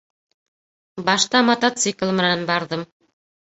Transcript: Башта мотоцикл менән барҙым.